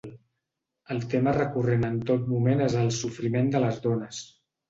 El tema recurrent en tot moment és el sofriment de les dones.